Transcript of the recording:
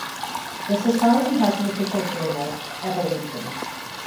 The society has an official journal "Evolution".